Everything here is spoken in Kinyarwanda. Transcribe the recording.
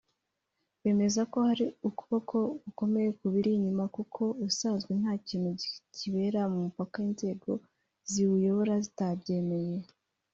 bemeza ko hari ukuboko gukomeye kubiri inyuma kuko ubusanzwe nta kintu kibera mu mupaka inzego ziwuyobora zitabyemeye